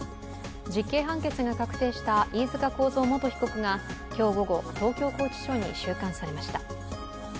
実刑判決が確定した飯塚幸三被告が今日午後、東京拘置所に収監されました。